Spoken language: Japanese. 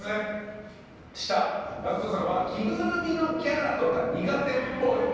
ＧＡＣＫＴさんは着ぐるみのキャラとか苦手っぽい。